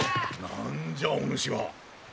何じゃお主は！？